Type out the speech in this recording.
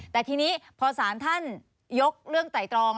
แต่ทีนี้พอสารท่านยกเรื่องไต่ตรอง